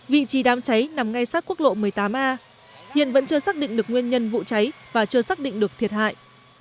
vị trí đám cháy nằm ngay sát quốc lộ một mươi tám a hiện vẫn chưa xác định được nguyên nhân vụ cháy và chưa xác định được thiệt hại